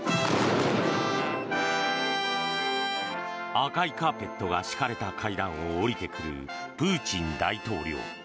赤いカーペットが敷かれた階段を下りてくるプーチン大統領。